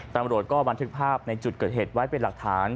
ตำรวจก็บันทึกภาพในจุดเกิดเหตุไว้เป็นหลักฐาน